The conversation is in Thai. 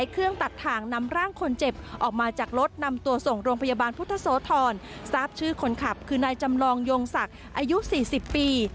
คือนายจำลองโยงศักดิ์อายุ๔๐ปี